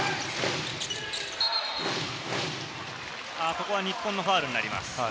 ここは日本のファウルになります。